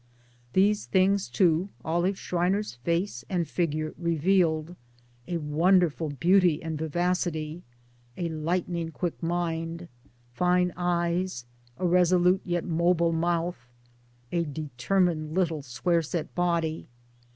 These things too Olive Schreiner's face and figure revealed a wonderful beauty and vivacity, a lightning quick mind, fine eyes, a resolute yet mobile mouth, a determined little square set body.